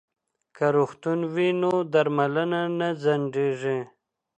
که روغتون وي نو درملنه نه ځنډیږي.